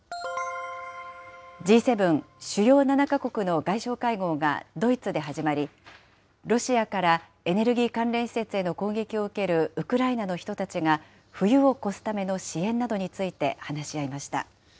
Ｇ７・主要７か国の外相会合がドイツで始まり、ロシアからエネルギー関連施設への攻撃を受けるウクライナの人たちが、冬を越すための支援などについて話し合いました。